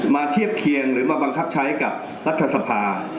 เทียบเคียงหรือมาบังคับใช้กับรัฐสภา